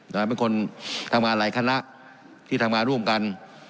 เป็นคนทำงานหลายคณะที่ทำงานร่วมกัน